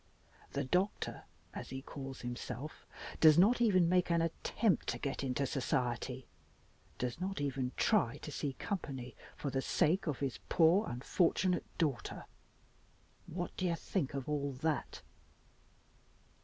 The doctor, as he calls himself, does not even make an attempt to get into society, does not even try to see company for the sake of his poor unfortunate daughter. What do you think of all that?"